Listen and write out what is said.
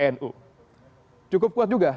nu cukup kuat juga